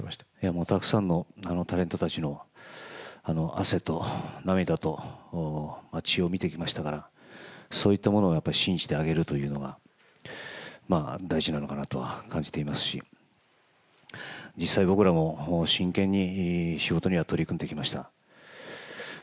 もうたくさんのタレントたちの汗と涙と血を見てきましたから、そういったものがやっぱり信じてあげるということは、大事なのかなと感じていますし、実際、僕らも真剣に仕事には取り組んできました。